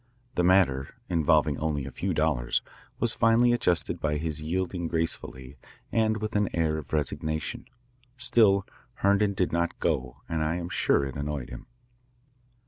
The matter, involving only a few dollars, was finally adjusted by his yielding gracefully and with an air of resignation. Still Herndon did not go and I am sure it annoyed him.